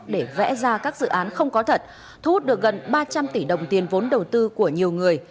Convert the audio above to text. để vẽ ra các dự án không có thật thu hút được gần ba trăm linh tỷ đồng tiền vốn đầu tư của nhiều người